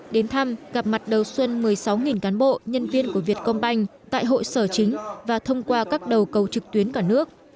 đến thăm gặp mặt đầu xuân một mươi sáu cán bộ nhân viên của việt công banh tại hội sở chính và thông qua các đầu cầu trực tuyến cả nước